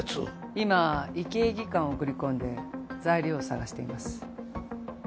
今医系技官を送り込んで材料を探しています